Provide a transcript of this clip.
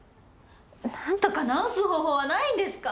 何とか治す方法はないんですか？